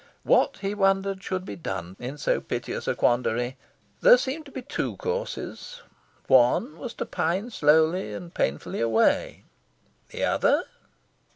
What, he wondered, should be done in so piteous a quandary? There seemed to be two courses. One was to pine slowly and painfully away. The other...